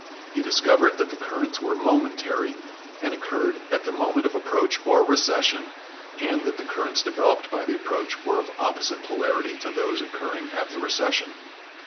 He discovered that the currents were momentary and occurred at the moment of approach or recession, and that the currents developed by the approach were of opposite polarity to those occurring at the recession.